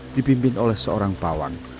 dipimpin oleh seorang pawang